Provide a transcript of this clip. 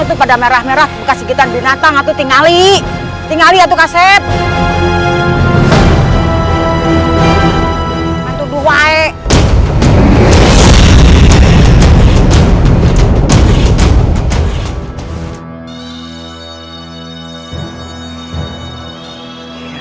itu pada merah merah bekas ikutan binatang atau tingali tingali atau kaset itu dua